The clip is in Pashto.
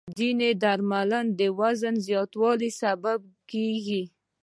ځینې درمل د وزن د زیاتوالي سبب کېږي.